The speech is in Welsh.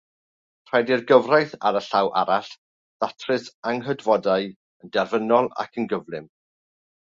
Rhaid i'r gyfraith, ar y llaw arall, ddatrys anghydfodau yn derfynol ac yn gyflym.